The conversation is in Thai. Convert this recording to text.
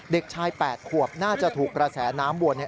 เด็กชาย๘ขวบน่าจะถูกกระแสน้ำวน